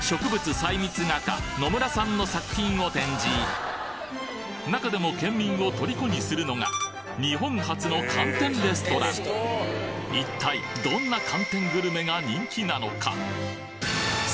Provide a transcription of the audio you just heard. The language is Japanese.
細密画家野村さんの作品を展示中でも県民を虜にするのが日本初の寒天レストラン人気なのか？